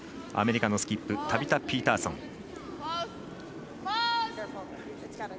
アメリカのスキップタビタ・ピーターソン。